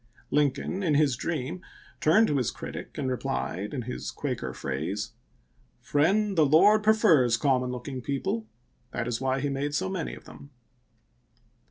Lincoln in his dream turned to his critic and replied, in his Quaker phrase, " Friend, the Lord prefers common looking people : that is why he made so many of them."